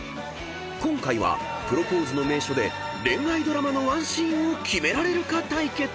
［今回はプロポーズの名所で恋愛ドラマのワンシーンをキメられるか対決］